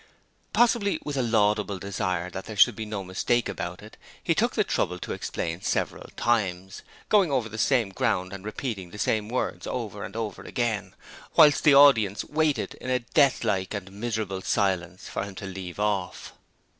Possibly with a laudable desire that there should be no mistake about it, he took the trouble to explain several times, going over the same ground and repeating the same words over and over again, whilst the audience waited in a deathlike and miserable silence for him to leave off.